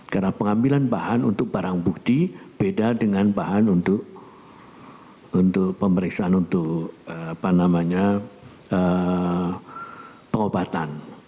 karena pengambilan bahan untuk barang bukti beda dengan bahan untuk pemeriksaan untuk pengobatan